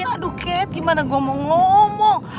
aduh cat gimana gua mau ngomong